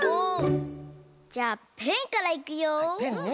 じゃあペンからいくよ！